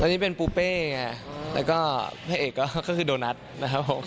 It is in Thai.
ตอนนี้เป็นปูเป้ไงแล้วก็พระเอกก็คือโดนัทนะครับผม